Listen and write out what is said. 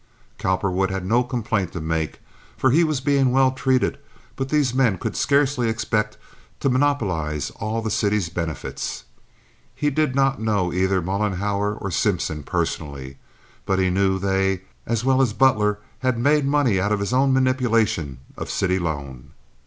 Cowperwood had no complaint to make, for he was being well treated, but these men could scarcely expect to monopolize all the city's benefits. He did not know either Mollenhauer or Simpson personally—but he knew they as well as Butler had made money out of his own manipulation of city loan.